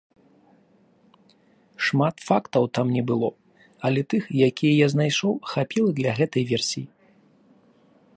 Шмат фактаў там не было, але тых, якія я знайшоў, хапіла для гэтай версіі.